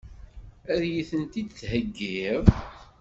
Ad iyi-tent-id-theggiḍ?